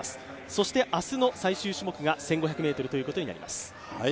そして明日の最終種目が１５００ｍということになります。